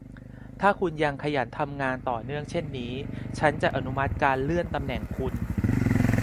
ถ้าคุณยังขยันทำงานต่อเนื่องเช่นนี้ ฉันจะอนุมัติการเลื่อนตำแหน่งคุณ